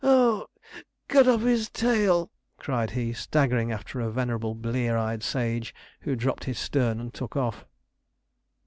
Ah! cut off his tail!' cried he, staggering after a venerable blear eyed sage, who dropped his stern and took off.